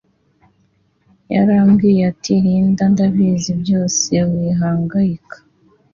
yarambwiyati Linda ndabizi byose wihangayika